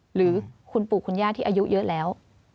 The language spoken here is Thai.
หรือคุณปู่คุณย่าที่อายุเยอะแล้ว